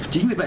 chính vì vậy